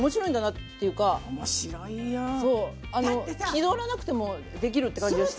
気取らなくてもできるって感じがして。